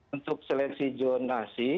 untuk seleksi jurnasi